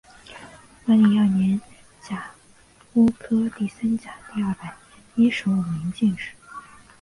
万历二年甲戌科第三甲第二百一十五名进士。